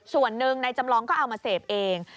ส่วนหนึ่งในจำลองก็เอามาเสพเอง